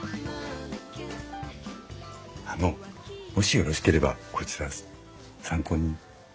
あのもしよろしければこちら参考に。